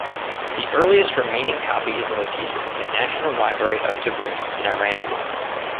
The earliest remaining copy is located in the National Library of Tabriz, in Iran.